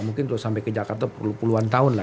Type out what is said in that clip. mungkin untuk sampai ke jakarta perlu puluhan tahun lah